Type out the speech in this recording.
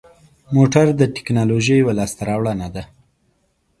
موټر د تکنالوژۍ یوه لاسته راوړنه ده.